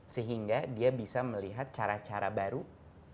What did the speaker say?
sehingga dia bisa melihat cara cara baru yang tadinya belum ada